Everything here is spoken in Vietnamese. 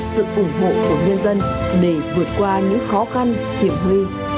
sự ủng hộ của nhân dân để vượt qua những khó khăn hiểm huy